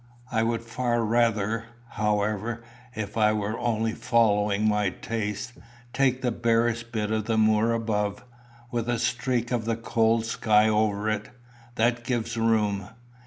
I would far rather, however, if I were only following my taste, take the barest bit of the moor above, with a streak of the cold sky over it. That gives room."